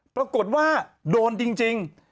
ปรากฏว่าโดนจริง